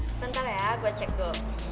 sebentar ya gue cek dulu